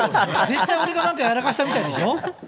絶対俺がなんかやらかしたみたいでしょ。